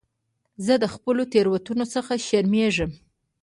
زه د خپلو تېروتنو څخه شرمېږم.